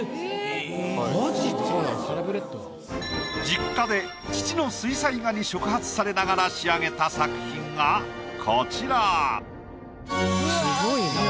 実家で父の水彩画に触発されながら仕上げた作品がコチラ。